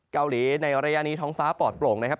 เกาหลีในระยะนี้ท้องฟ้าปลอดโปร่งนะครับ